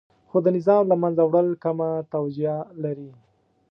خو د نظام له منځه وړل کمه توجیه لري.